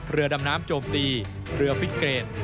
เรือดำน้ำโจมตีเรือฟิตเกรด